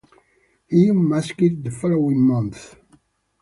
He unmasked the following month.